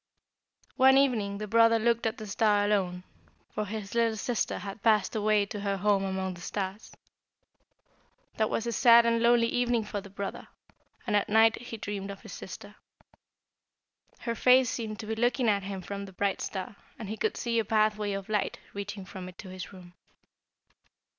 One evening the brother looked at the star alone, for his little sister had passed away to her home among the stars. That was a sad and lonely evening for the brother, and at night he dreamed of his sister. Her face seemed to be looking at him from the bright star, and he could see a pathway of light reaching from it to his room.